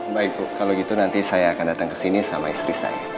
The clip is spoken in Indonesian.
baik bu kalau gitu nanti saya akan datang ke sini sama istri saya